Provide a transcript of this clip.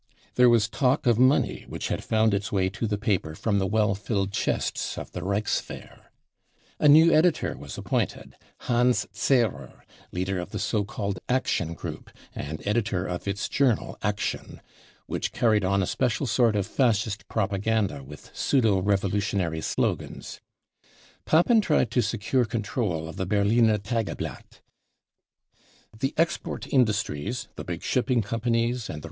There was talk of money which had found its way to the paper from the well filled chests of the Reichswehr. A new editor was appointed ; Hans 46 BROWN BOOK OF THE HITLER TERROR Zehrer, leader of the so called " Action Group 59 and \ editor of its journal Action , which carried on a special sort * of Fascist propaganda with pseudo revolutionary slogans. Papen tried to secure control of the Berliner Tageblatt The export industries, the big shipping companies and the